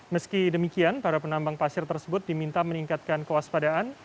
meski demikian para penambang pasir tersebut diminta meningkatkan kewaspadaan